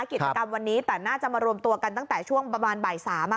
กิจกรรมวันนี้แต่น่าจะมารวมตัวกันตั้งแต่ช่วงประมาณบ่าย๓